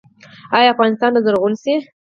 آیا افغانستان به زرغون شي؟